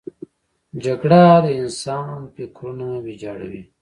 جګړه د انسان فکرونه ویجاړوي